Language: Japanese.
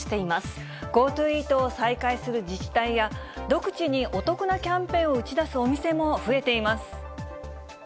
ＧｏＴｏイートを再開する自治体や、独自にお得なキャンペーンを打ち出すお店も増えています。